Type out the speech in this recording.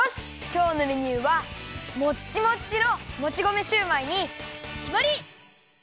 今日のメニューはもっちもっちのもち米シューマイにきまり！